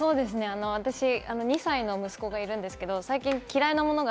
私、２歳の息子がいるんですけど、最近嫌いなものが